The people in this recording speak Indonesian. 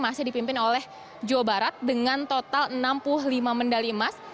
masih dipimpin oleh jawa barat dengan total enam puluh lima medali emas